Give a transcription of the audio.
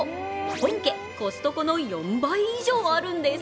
本家コストコの４倍以上あるんです。